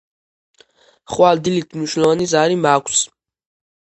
ხვალ დილით მნიშვნელოვანი ზარი მაქვს.